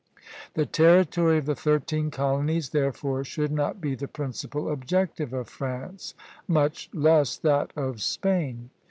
The territory of the thirteen colonies therefore should not be the principal objective of France; much less that of Spain.